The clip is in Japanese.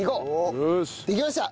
できました。